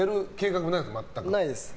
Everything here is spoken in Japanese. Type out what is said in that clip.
ないです。